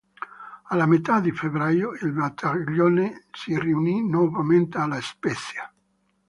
Alla metà di febbraio il Battaglione si riunì nuovamente a La Spezia.